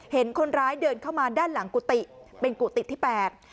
เห็นคนร้ายเดินเข้ามาด้านหลังกุฏิเป็นกุฏิที่แปด